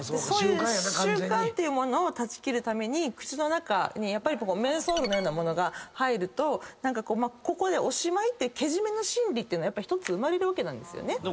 そういう習慣っていうものを断ち切るために口の中にメンソールのような物が入るとここでおしまいっていうけじめの心理っていうのは１つ生まれるわけなんですよね。